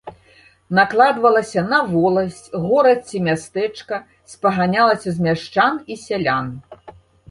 Накладвалася на воласць, горад ці мястэчка, спаганялася з мяшчан і сялян.